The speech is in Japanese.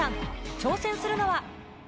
挑戦するのは。